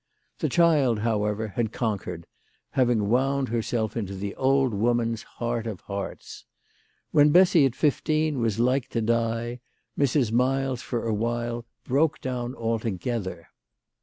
The child, however, had conquered, having wound herself into the old woman's heart of hearts. When Bessy at fifteen was like to die, Mrs. Miles for awhile broke down altogether.